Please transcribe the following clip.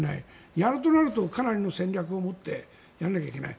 やるとなるとかなりの戦略を持ってやらなきゃいけない。